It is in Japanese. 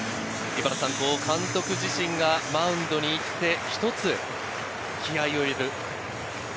監督自身がマウンドに行って、一つ気合いを入れる。